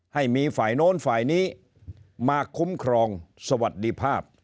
ให้มีฝ่ายโน้นฝ่ายนี้มาคุ้มครองสวัสดีภาพ